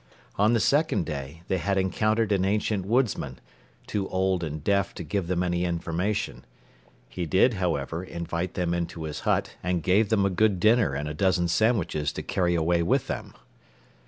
On the second day, they had encountered an ancient woodsman, too old and deaf to give them any information. He did, however, invite them into his hut and give them a good dinner and a dozen sandwiches to carry away with them.